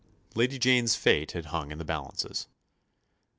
Lady Jane's fate had hung in the balances.